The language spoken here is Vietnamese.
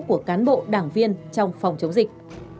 của cán bộ đảng viên trong phòng chống dịch